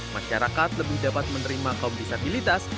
masyarakat lebih dapat menerima kompisabilitas